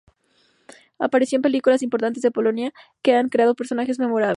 Apareció en películas importantes de Polonia, que han creado personajes memorables.